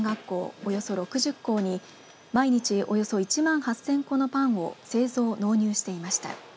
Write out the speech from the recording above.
およそ６０校に毎日、およそ１万８０００個のパンを製造、納入していました。